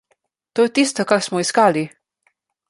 To je tisto, kar smo iskali!